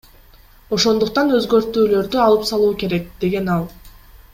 Ошондуктан өзгөртүүлөрдү алып салуу керек, — деген ал.